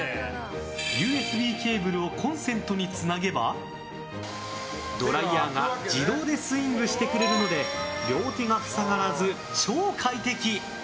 ＵＳＢケーブルをコンセントにつなげばドライヤーが自動でスイングしてくれるので両手が塞がらず超快適！